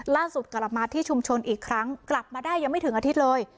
ล่าสุดกลับมาที่ชุมชนอีกครั้งกลับมาได้ยังไม่ถึงอาทิตย์เลย